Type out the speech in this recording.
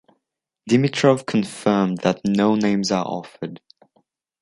Dimitrov confirmed that no names are offered.